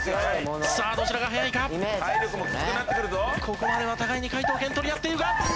ここまでは互いに解答権取り合っているが。